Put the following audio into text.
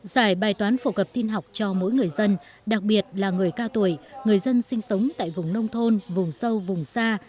giải bài toán phổ cập tin học cho mỗi người dân đặc biệt là người cao tuổi người dân sinh sống tại vùng nông thôn vùng sâu vùng xa